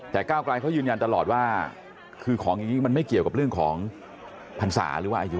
แต่ก้าวไกลยยืนยันตลอดว่ามันไม่เกี่ยวกับเรื่องของทรัศน์